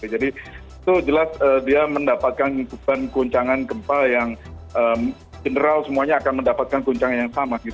jadi itu jelas dia mendapatkan guncangan gempa yang general semuanya akan mendapatkan guncangan yang sama